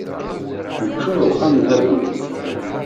Yeččur uxxam d abbu.